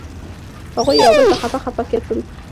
هغوی یو بل ته خپه خپه کتل.